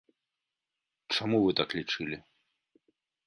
Чаму вы так лічылі?